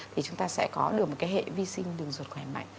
thì chúng ta sẽ có được một cái hệ vi sinh đường ruột khỏe mạnh